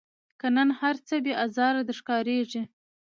که نن هرڅه بې آزاره در ښکاریږي